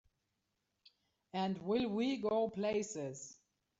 And will we go places!